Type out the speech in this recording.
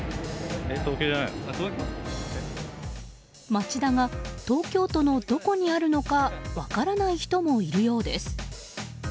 町田が東京都のどこにあるのか分からない人もいるようです。